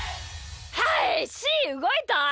はいしーうごいた。